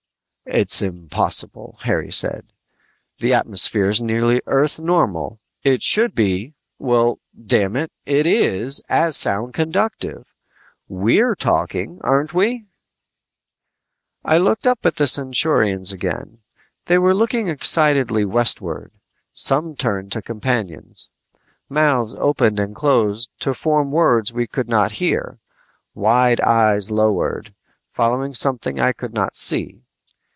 "It's impossible," Harry said. "The atmosphere's nearly Earth normal. It should be well, damn it, it is as sound conductive; we're talking, aren't we?" I looked up at the Centaurians again. They were looking excitedly westward. Some turned to companions. Mouths opened and closed to form words we could not hear. Wide eyes lowered, following something I could not see.